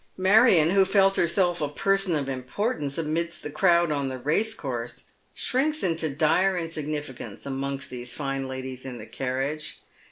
Marion, who felt herself a person of importance amidst tha crowd on the racecourse, shrinks into dire insignificance amongst these fine ladies in the carriage.